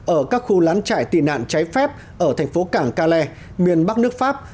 ở các khu lán trại tì nạn trái phép ở thành phố cảng calais miền bắc nước pháp